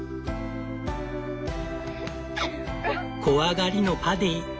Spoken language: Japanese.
怖がりのパディ。